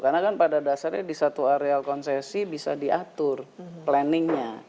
karena kan pada dasarnya di satu area konsesi bisa diatur planningnya